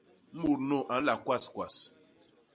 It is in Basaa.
Mut nu a nla kwaskwas.